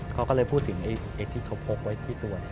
เขาก็เลยพูดถึงไอ้ที่เขาพกไว้ที่ตัว